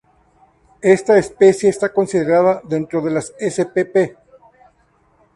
Esta especie está considerada dentro de las "spp.